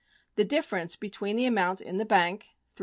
The difference be tween the amount in the bank ($3,741.